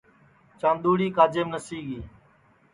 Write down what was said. چاندُؔوڑی کاجیم نسی گی